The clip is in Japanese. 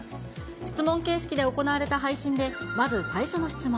質問形式で行われた配信で、まず最初の質問。